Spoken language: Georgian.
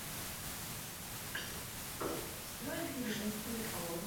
აქვე მდებარეობს რამდენიმე სასტუმრო და რესტორანი.